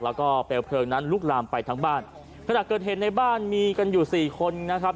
แล้วก็เปลวเพลิงนั้นลุกลามไปทั้งบ้านขณะเกิดเหตุในบ้านมีกันอยู่สี่คนนะครับ